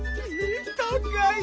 たかい！